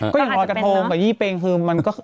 ถ้าจะเป็นผมอ่ะ